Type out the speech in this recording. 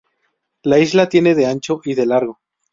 La isla tiene de ancho y de largo.